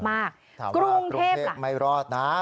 ถามว่ากรุงเทพไม่รอดนะ